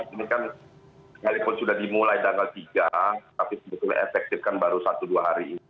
ini kan sekalipun sudah dimulai tanggal tiga tapi sebetulnya efektif kan baru satu dua hari ini